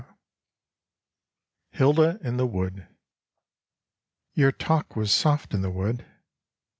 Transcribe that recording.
57 HILDA IN THE WOOD Your talk was soft in the wood.